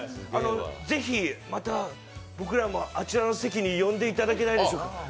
ぜひまた僕らもあの席に呼んでいただけないでしょうか？